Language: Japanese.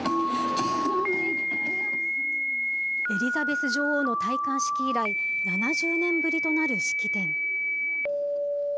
エリザベス女王の戴冠式以来、７０年ぶりとなる式典。